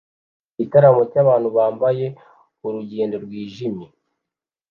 Igitaramo cyabantu bambaye urugendo rwijimye